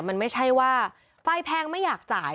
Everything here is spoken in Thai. มันไม่ใช่ว่าไฟแพงไม่อยากจ่าย